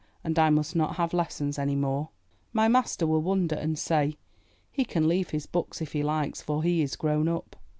And I must not have lessons any more." My master will wonder and say, *'He can leave his books if he likes, for he is grown up."